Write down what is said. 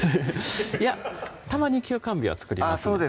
いやたまに休肝日は作りますあっ